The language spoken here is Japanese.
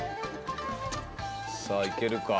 「さあいけるか」